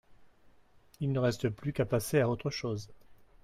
Il ne reste plus qu'à passer à autre chose